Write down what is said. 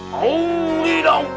kau li dong